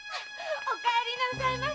おかえりなさいませ！